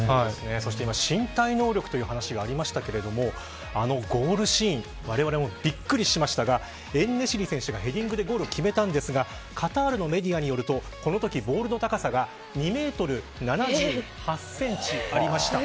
そして今、身体能力という話がありましたけれどもあのゴールシーンわれわれも、びっくりしましたがエンネシリ選手がヘディングでゴールを決めたんですがカタールのメディアによるとこのとき、ボールの高さが２メートル７８センチありました。